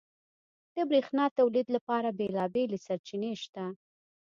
• د برېښنا تولید لپاره بېلابېلې سرچینې شته.